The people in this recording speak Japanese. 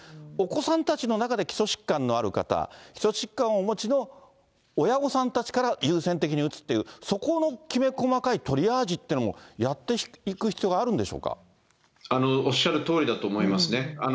お子さんたちの中で基礎疾患のある方、基礎疾患をお持ちの親御さんたちから優先的に打つという、そこのきめ細かいトリアージというのもやっていく必要があるんでおっしゃるとおりだと思いますね。